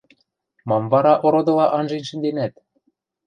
Мам вара ородыла анжен шӹнденӓт?